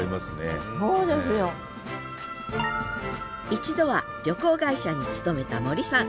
一度は旅行会社に勤めた森さん。